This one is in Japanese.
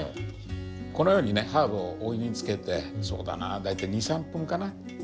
このようにねハーブをお湯につけてそうだな大体２３分かな？